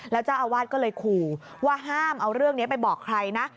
แล้วเจ้าอาวาสก็เลยขู่ว่าห้ามเอาเรื่องนี้ไปบอกใครนะ